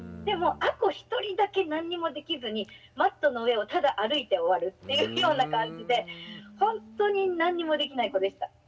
でも亜子一人だけ何もできずにマットの上をただ歩いて終わるっていうような感じでほんとに何もできない子でした。